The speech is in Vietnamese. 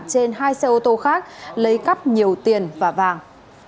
trên hai xe ô tô khác lấy cắp nhiều tiền và vàng